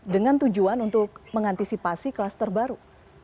dengan tujuan untuk mengantisipasi kelas terbaru